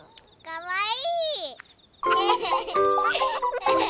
かわいい！